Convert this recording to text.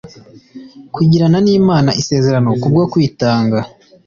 kugirana nImana isezerano kubwo kwitanga